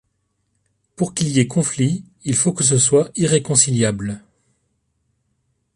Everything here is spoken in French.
Pour qu’il y ait conflit, il faut que ce soit irréconciliable.